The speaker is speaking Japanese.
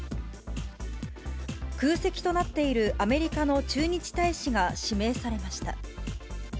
空席となっているアメリカの駐日大使が指名されました。